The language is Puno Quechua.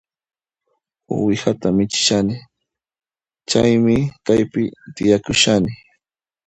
Uwihata michishani, chaymi kaypi tiyakushani